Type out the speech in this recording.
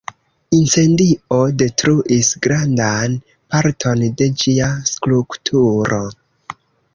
Incendio detruis grandan parton de ĝia strukturo.